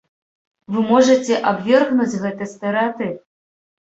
Вы можаце абвергнуць гэты стэрэатып?